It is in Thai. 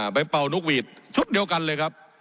เป่านกหวีดชุดเดียวกันเลยครับ